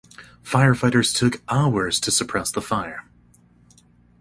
Firefighters took hours to suppress the fire.